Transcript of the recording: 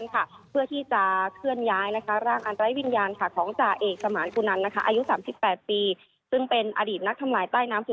ก็คือตอนนี้ผู้อำนวยการโรงพยาบาล